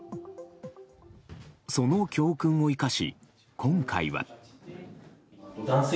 その教訓を生かし、今回は。